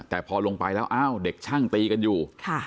แต่พอลงไปแล้วอ้าวเด็กช่างตีกันอยู่